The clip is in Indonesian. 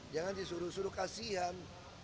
jangan disuruh suruh kasihan